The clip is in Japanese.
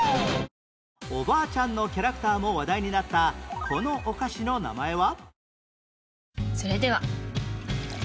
おばあちゃんのキャラクターも話題になったこのお菓子の名前は？